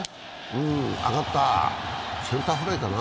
上がった、センターフライかな。